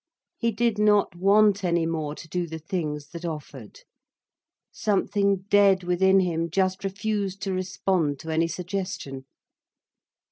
He did not want any more to do the things that offered. Something dead within him just refused to respond to any suggestion.